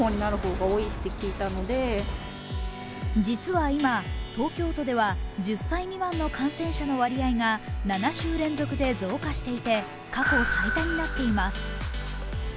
実は今、東京都では１０歳未満の感染者の割合が７週連続で増加していて、過去最多になっています。